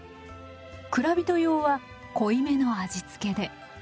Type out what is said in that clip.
蔵人用は濃いめの味付けで。